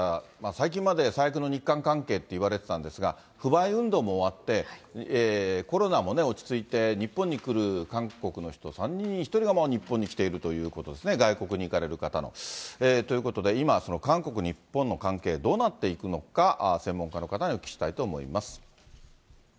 最近まで最悪の日韓関係って言われてたんですが、不買運動も終わって、コロナも落ち着いて、日本に来る韓国の人、３人に１人がもう日本に来ているということですね、外国に行かれる方の。ということで、今、韓国、日本の関係はどうなっていくのか、専門家の方にお聞きしたいと思います。